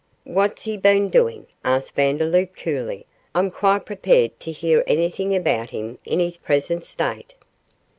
'What's he been doing?' asked Vandeloup, coolly. 'I am quite prepared to hear anything about him in his present state.